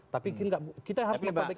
tapi kita harus memperbaiki